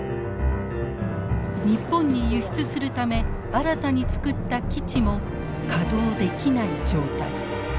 日本に輸出するため新たに造った基地も稼働できない状態。